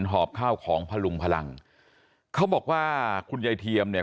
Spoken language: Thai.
หอบข้าวของพลุงพลังเขาบอกว่าคุณยายเทียมเนี่ย